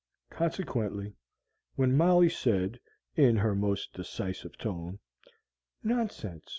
Consequently, when Molly said, in her most decisive tone, "Nonsense!